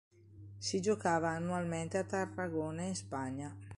Si giocava annualmente a Tarragona in Spagna.